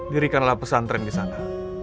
dirikanlah pesantren disana